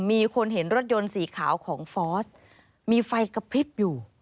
มีคนเห็นรถยนต์สีขาวของฟอสมีไฟกระพริบอยู่